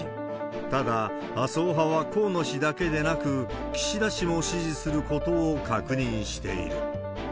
ただ、麻生派は河野氏だけでなく、岸田氏を支持することを確認している。